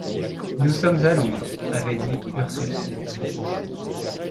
Nous sommes à Londres, avait dit Ursus.